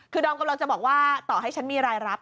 คือดอมกำลังจะบอกว่าต่อให้ฉันมีรายรับ